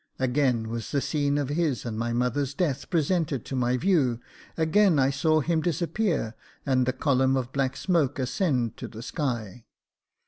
Again was the scene of his and my mother's death presented to my view ; again I saw him disappear, and the column of black smoke ascend to the sky.